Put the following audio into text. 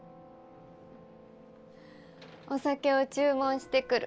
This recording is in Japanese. お酒を注文してくる。